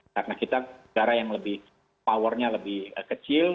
karena kita negara yang lebih powernya lebih kecil